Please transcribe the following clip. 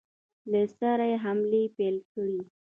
له سره حملې پیل کړې.